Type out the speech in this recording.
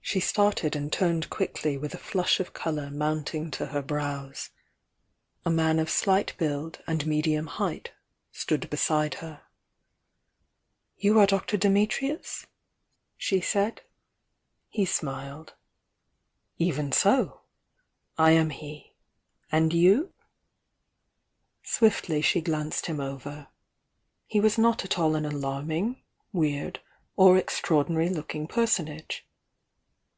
She started and turned quickly with a flush of THK YOUXG DIANA 10.5 colour mounting to her brows, — a man of slight build and medium height stood beside her. "You are Dr. Dimitrius?" she said. He smiled. "Even so! I am he! And you 7" Swiftly she glanced him over. He was not at all an alarming, weird, or extraordinary looking person age.